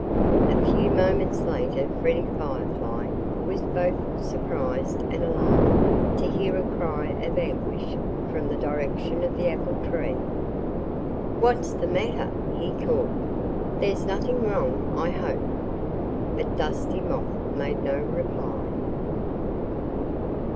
A few moments later Freddie Firefly was both surprised and alarmed to hear a cry of anguish from the direction of the apple tree. "What's the matter?" he called. "There's nothing wrong, I hope?" But Dusty Moth made no reply.